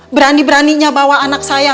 berani beraninya bawa anak saya